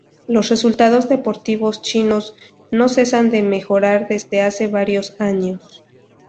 Los resultados deportivos chinos no cesan de mejorar desde hace varios años.